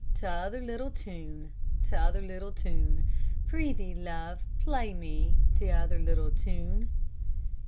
T'other little tune, T'other little tune, Prithee, Love, play me T'other little tune.